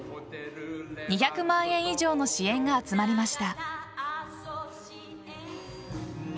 ２００万円以上の支援が集まりました。